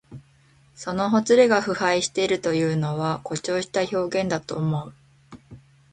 そのほつれが腐敗しているというのは、誇張した表現だと思う。